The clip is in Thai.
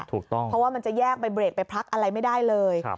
ถูกต้องเพราะว่ามันจะแยกไปเบรกไปพลักอะไรไม่ได้เลย